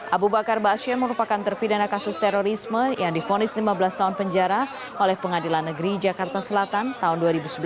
abu bakar ⁇ baasyir ⁇ merupakan terpidana kasus terorisme yang difonis lima belas tahun penjara oleh pengadilan negeri jakarta selatan tahun dua ribu sebelas